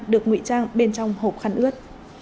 được ngụy trang bên trong hộp khăn ướt